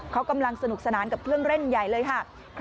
เขากำลังสนุกสนานกับเครื่องเล่นใหญ่เลยค่ะ